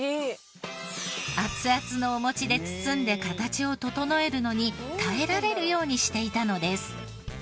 熱々のお餅で包んで形を整えるのに耐えられるようにしていたのです。